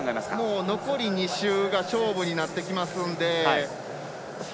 残り２周が勝負になってきますので。